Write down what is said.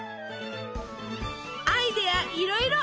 アイデアいろいろ！